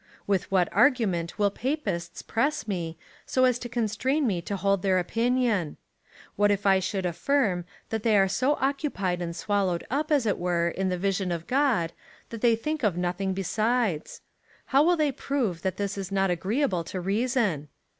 With what argument will Papists press me, so as to constrain me to hold their opinion ? What if I should affirm, that they are so occupied and swallowed up, as it Avere, in the vision of God, that they think of nothing besides ? How will they prove that this is not agreeable to reason